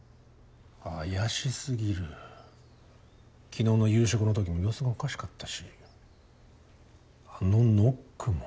昨日の夕食のときも様子がおかしかったしあのノックも。